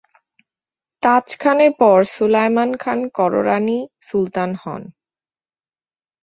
তাজ খানের পর সুলায়মান খান কররানী সুলতান হন।